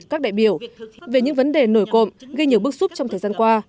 các đại biểu về những vấn đề nổi cộng gây nhiều bức xúc trong thời gian qua